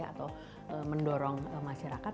atau mendorong masyarakat